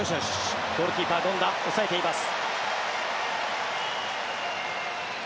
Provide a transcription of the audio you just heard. ゴールキーパー、権田抑えています。